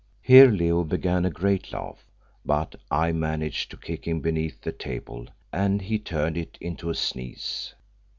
ed. Here Leo began a great laugh, but I managed to kick him beneath the table and he turned it into a sneeze.